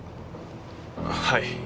はい。